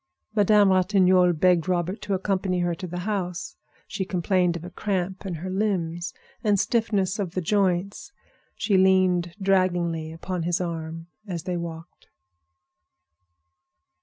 Madame Ratignolle begged Robert to accompany her to the house; she complained of cramp in her limbs and stiffness of the joints. She leaned draggingly upon his arm as they walked.